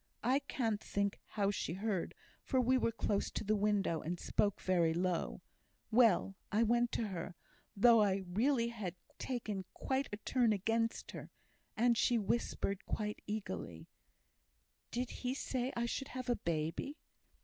(I can't think how she heard, for we were close to the window, and spoke very low.) Well, I went to her, though I really had taken quite a turn against her. And she whispered, quite eagerly, 'Did he say I should have a baby?'